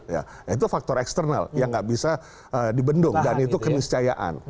ya itu faktor eksternal yang nggak bisa dibendung dan itu keniscayaan